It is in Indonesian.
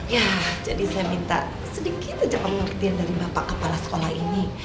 ya jadi saya minta sedikit aja pengertian dari bapak kepala sekolah ini